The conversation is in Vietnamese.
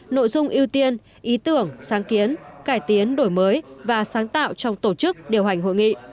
nội dung ưu tiên ý tưởng sáng kiến cải tiến đổi mới và sáng tạo trong tổ chức điều hành hội nghị